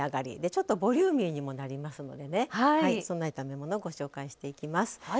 ちょっとボリューミーにもなりますのでその炒め物、ご紹介していきます。